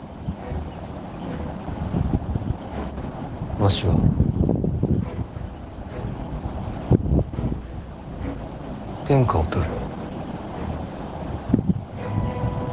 わしは天下を取る。